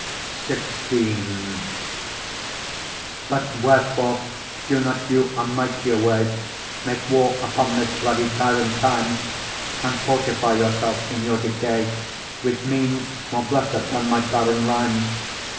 XVI But wherefore do not you a mightier way Make war upon this bloody tyrant, Time? And fortify yourself in your decay With means more blessed than my barren rhyme?